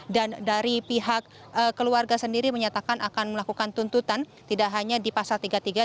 dan dari pihak keluarga sendiri menyatakan akan melakukan tuntutan tidak hanya di pasar tiga puluh tiga